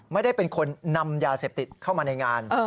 ไม่ได้เป็นคนนำยาเสพติดเข้ามาในงาน